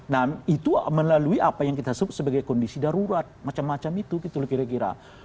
nah itu melalui apa yang kita sebut sebagai kondisi darurat macam macam itu gitu loh kira kira